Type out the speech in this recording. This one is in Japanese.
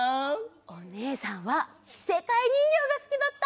おねえさんはきせかえにんぎょうがすきだった。